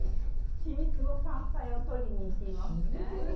秘密の山菜を採りに行きます。